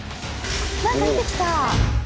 何か出てきた！